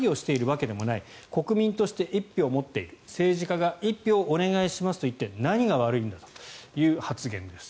別に詐欺をしているわけではない国民として１票を持っている政治家が１票お願いしますと言って何が悪いんだという発言です。